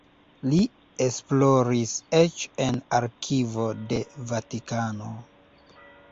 Li esploris eĉ en arkivo de Vatikano.